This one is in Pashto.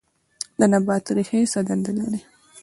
د نبات ریښې څه دنده لري